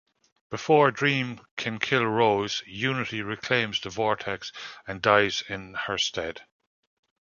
Before Dream can kill Rose, Unity reclaims the vortex and dies in her stead.